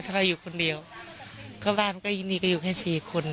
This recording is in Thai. ใจสลายแล้วก็ได้โปร